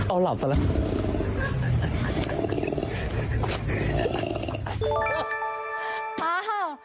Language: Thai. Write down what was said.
เอาหลับซะแล้ว